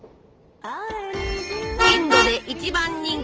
インドで一番人気！